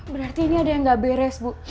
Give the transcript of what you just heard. berarti ini ada yang nggak beres bu